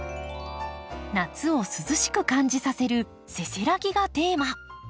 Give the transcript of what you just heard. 夏を涼しく感じさせる「せせらぎ」がテーマ。